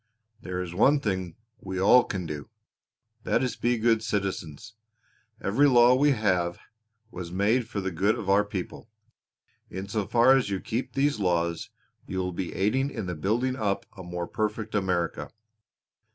"There is one thing we can all do that is be good citizens. Every law we have was made for the good of our people. In so far as you keep these laws you will be aiding in building up a more perfect America.